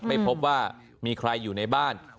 ไม่พบว่ามีใครอยู่ในบ้าน